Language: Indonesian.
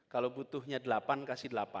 kalau butuhnya delapan kasih delapan